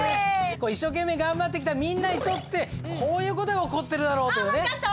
一生懸命頑張ってきたみんなにとってこういう事が起こってるだろうってね。